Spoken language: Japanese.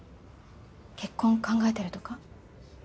結婚考えてるとか？